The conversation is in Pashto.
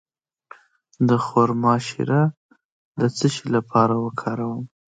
د خرما شیره د څه لپاره وکاروم؟